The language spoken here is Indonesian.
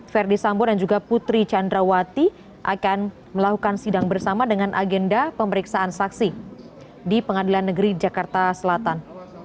verdi sambo dan juga putri candrawati akan melakukan sidang bersama dengan agenda pemeriksaan saksi di pengadilan negeri jakarta selatan